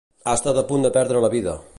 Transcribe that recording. Ha estat a punt de perdre la vida.